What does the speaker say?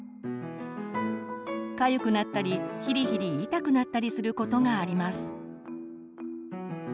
かゆくなったりヒリヒリ痛くなったりすることがあります。